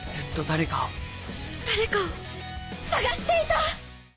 誰かを探していた！